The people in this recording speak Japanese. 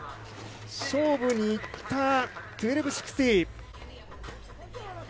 勝負に行った１２６０。